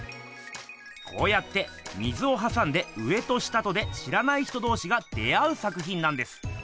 こうやって水をはさんで上と下とで知らない人どうしが出会う作ひんなんです。